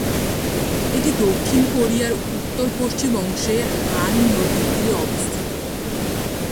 এটি দক্ষিণ কোরিয়ার উত্তর-পশ্চিম অংশে হান নদীর তীরে অবস্থিত।